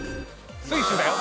スイスだよ。